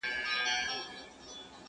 زما خواږه خواږه عطرونه ولي نه حسوې جانه؟!